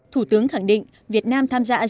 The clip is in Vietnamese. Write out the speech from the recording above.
chính trị an ninh kinh tế và văn hóa xã hội